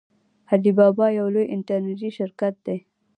علي بابا یو لوی انټرنیټي شرکت دی.